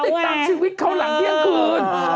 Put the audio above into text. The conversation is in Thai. ติดตามชีวิตเขาหลังเที่ยงคืน